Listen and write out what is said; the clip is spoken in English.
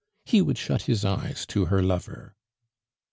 He would shut his eyes to her lover.